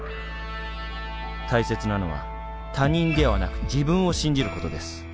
「大切なのは他人ではなく自分を信じることです。